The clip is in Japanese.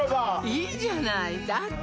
いいじゃないだって